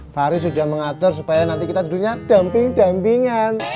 faris sudah mengatur supaya nanti kita duduknya damping dampingan